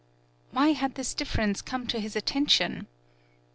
19 PAULOWNIA Why had this difference come to his attention?